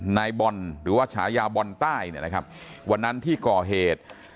นายบอลหรือว่าฉายาบอลใต้เนี่ยนะครับวันนั้นที่ก่อเหตุ